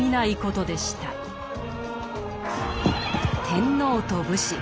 天皇と武士。